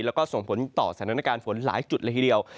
แล้วก็ส่งผลต่อสถานการณ์ฝนหลายจุดเลยทีเดียว